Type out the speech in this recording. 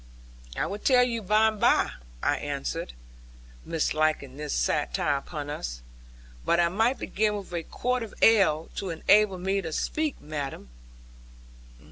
'I will tell you by and by,' I answered, misliking this satire upon us; 'but I might begin with a quart of ale, to enable me to speak, madam.'